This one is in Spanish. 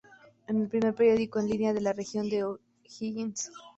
Es el primer periódico en línea de la Región de O'Higgins.